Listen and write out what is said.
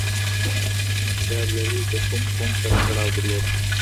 احمد شاه ابدالي د کوم قوم سره تړاو درلود؟